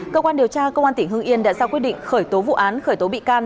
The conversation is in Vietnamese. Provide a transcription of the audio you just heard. cơ quan điều tra công an tỉnh hưng yên đã ra quyết định khởi tố vụ án khởi tố bị can